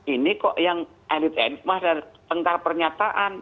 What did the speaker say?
ini kok yang end to end tengkar pernyataan